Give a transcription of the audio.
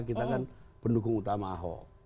kita kan pendukung utama ahok